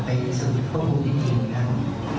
ไปรู้สึกพวกคุณจริงนะครับ